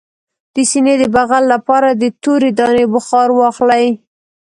د سینې د بغل لپاره د تورې دانې بخار واخلئ